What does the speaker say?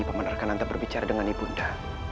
paman arkananta berbicara dengan ibu nda